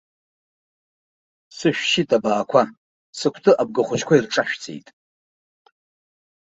Сышәшьит абаақәа, сыкәты абгахәыҷқәа ирҿашәҵеит.